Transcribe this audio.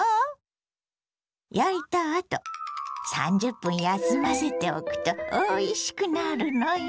焼いたあと３０分休ませておくとおいしくなるのよ！